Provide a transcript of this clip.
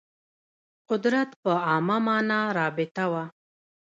قدرت په عامه معنا رابطه وه